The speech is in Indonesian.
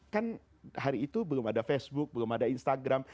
kan hari itu belum ada facebook belum ada instagram